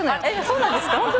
えっそうなんですか？